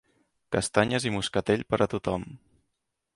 Castanyes i moscatell per a tothom.